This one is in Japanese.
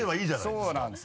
そうなんです。